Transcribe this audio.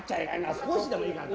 少しでもいいから。